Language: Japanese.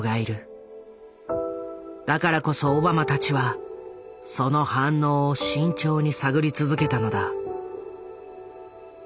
だからこそオバマたちはその反応を慎重に探り続けたのだ。